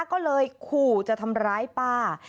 ก็เลยขู่จะทำร้ายป้า